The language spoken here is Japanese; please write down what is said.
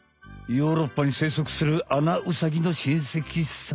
ヨーロッパにせいそくするアナウサギのしんせきさん。